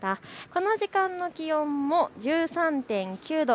この時間の気温も１３．９度。